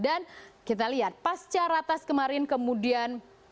dan kita lihat pasca ratas kemarin kemudian